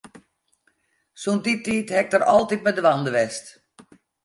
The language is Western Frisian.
Sûnt dy tiid ha ik dêr altyd mei dwaande west.